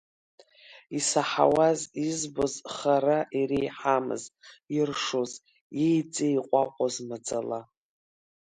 Исаҳауаз, избоз хара иреиҳамыз иршоз, иеиҵеиҟәаҟәоз маӡала.